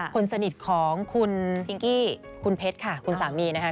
คนสนิทของคุณพิงกี้คุณเพชรค่ะคุณสามีนะคะ